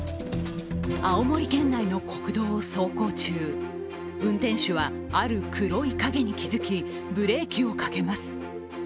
青森県内の国道を走行中運転手はある黒い影に気づき、ブレーキをかけます。